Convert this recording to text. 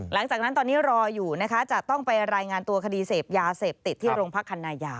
หลังจากนั้นตอนนี้รออยู่นะคะจะต้องไปรายงานตัวคดีเสพยาเสพติดที่โรงพักคันนายา